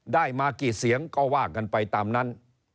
ได้มากี่เสียงก็ว่ากันไปตามนั้น